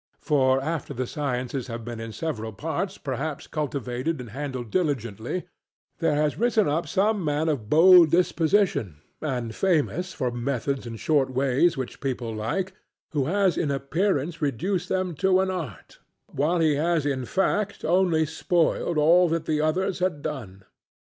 For after the sciences had been in several parts perhaps cultivated and handled diligently, there has risen up some man of bold disposition, and famous for methods and short ways which people like, who has in appearance reduced them to an art, while he has in fact only spoiled all that the others had done.